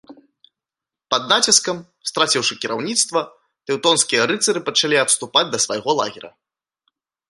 Пад націскам, страціўшы кіраўніцтва, тэўтонскія рыцары пачалі адступаць да свайго лагера.